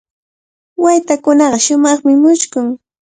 Waytakunaqa shumaqmi mushkun.